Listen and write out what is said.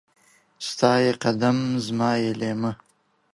ستا يې قدم ، زما يې ليمه.